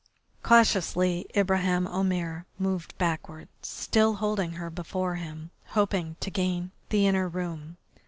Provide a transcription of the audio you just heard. Cautiously Ibraheim Omair moved backward, still holding her before him, hoping to gain the inner room.